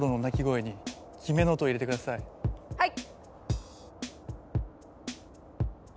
はい！